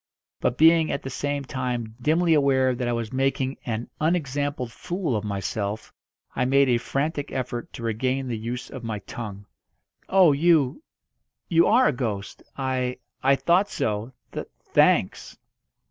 But being at the same time dimly aware that I was making an unexampled fool of myself, I made a frantic effort to regain the use of my tongue. "Oh, you you are a ghost! I I thought so. Tha thanks."